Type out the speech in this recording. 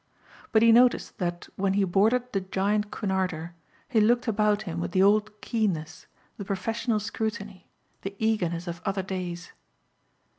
But he noticed that when he boarded the giant Cunarder he looked about him with the old keenness, the professional scrutiny, the eagerness of other days.